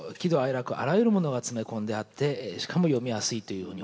楽あらゆるものが詰め込んであってしかも読みやすいというふうに。